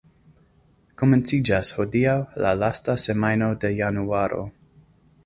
Komenciĝas hodiaŭ la lasta semajno de januaro.